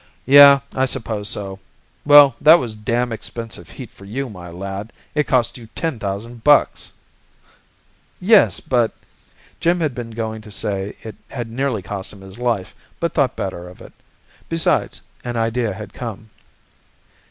"Yeah. I suppose so! Well, that was damn expensive heat for you, my lad. It cost you ten thousand bucks." "Yes, but " Jim had been going to say it had nearly cost him his life but thought better of it. Besides, an idea had come.